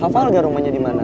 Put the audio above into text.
kapan hal gak rumahnya di mana